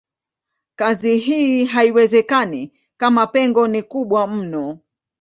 Kazi hii haiwezekani kama pengo ni kubwa mno.